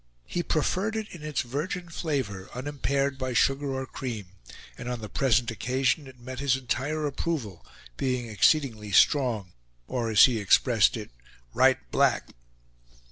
He preferred it in its virgin flavor, unimpaired by sugar or cream; and on the present occasion it met his entire approval, being exceedingly strong, or, as he expressed it, "right black."